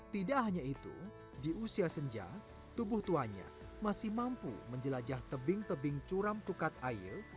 tidak hanya itu di usia senja tubuh tuanya masih mampu menjelajah tebing tebing curam tukat air